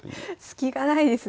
スキがないですね。